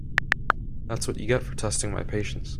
That’s what you get for testing my patience.